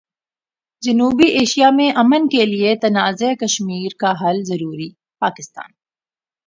جنوبی ایشیا میں امن کیلئے تنازع کشمیر کا حل ضروری، پاکستان